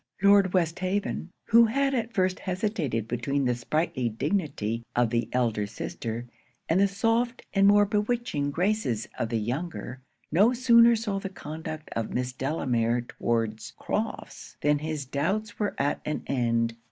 Lord Westhaven, who had at first hesitated between the sprightly dignity of the elder sister, and the soft and more bewitching graces of the younger, no sooner saw the conduct of Miss Delamere towards Crofts, than his doubts were at an end.